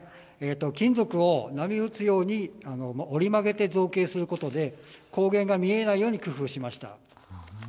金属を波打つように折り曲げて造形することで光源が見えないように工夫しました。